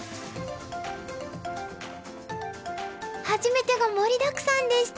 初めてが盛りだくさんでした。